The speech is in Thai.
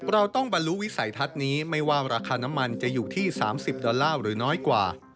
เราต้องบรรลุวิสัยทัศน์นี้ไม่ว่าราคาน้ำมันจะอยู่ที่๓๐ดอลลาร์หรือน้อยกว่า